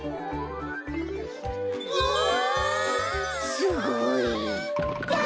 すごい。わ！